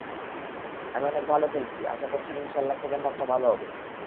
আমি অনেক ভালো খেলছি, আশা করছি ইনশাআল্লাহ সেকেন্ড হাফটা ভালো হবে।